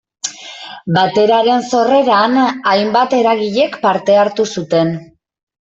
Bateraren sorreran hainbat eragilek parte hartu zuten.